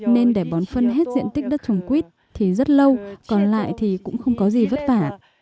nên để bón phân hết diện tích đất trồng quýt thì rất lâu còn lại thì cũng không có gì vất vả